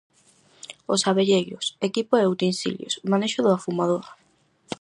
Os abelleiros: equipo e utensilios, manexo do afumador.